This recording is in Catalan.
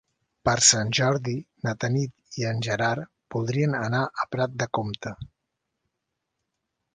Per Sant Jordi na Tanit i en Gerard voldrien anar a Prat de Comte.